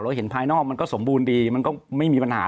เห็นภายนอกมันก็สมบูรณ์ดีมันก็ไม่มีปัญหา